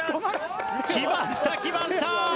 きましたきました！